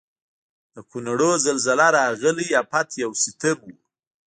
د کونړونو زلزله راغلي افت یو ستم و.